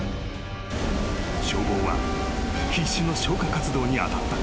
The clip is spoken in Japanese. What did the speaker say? ［消防は必死の消火活動に当たった］